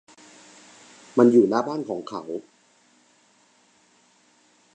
มันอยู่หน้าบ้านของเขา